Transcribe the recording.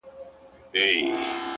له خدای وطن سره عجیبه مُحبت کوي!!